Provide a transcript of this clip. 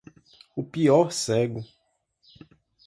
O pior cego